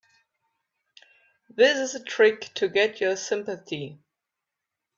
This is a trick to get your sympathy.